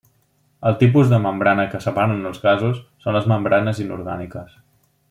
El tipus de membrana que separen els gasos, són les membranes inorgàniques.